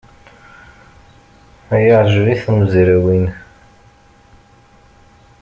Yeɛjeb i tmezrawin.